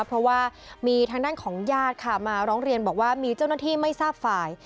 เพราะว่ามีทางด้านของญาติค่ะมาร้องเรียนบอกว่ามีเจ้าหน้าที่ไม่ทราบฝ่าย